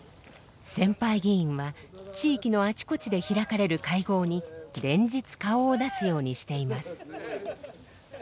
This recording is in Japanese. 先輩議員は地域のあちこちで開かれる会合に連日顔を出すようにしています。